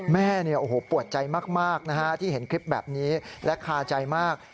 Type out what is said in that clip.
แม่ปวดใจมากนะฮะที่เห็นคลิปแบบนี้และคาใจมาก